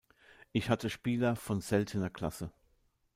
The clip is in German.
Ich hatte Spieler von seltener Klasse.